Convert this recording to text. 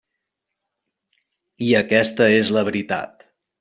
I aquesta és la veritat.